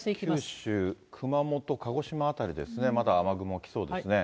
九州、熊本、鹿児島辺りですね、まだ雨雲が来そうですね。